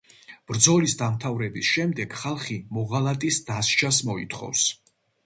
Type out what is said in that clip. ბრძოლის დამთავრების შემდეგ, ხალხი მოღალატის დასჯას მოითხოვს.